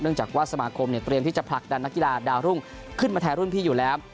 จากว่าสมาคมเตรียมที่จะผลักดันนักกีฬาดาวรุ่งขึ้นมาแทนรุ่นพี่อยู่แล้ว